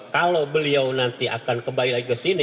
kalau beliau nanti akan kembali lagi ke sini